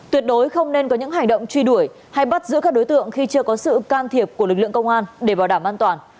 tuyệt đối không nên có những hành động truy đuổi hay bắt giữ các đối tượng khi chưa có sự can thiệp của lực lượng công an để bảo đảm an toàn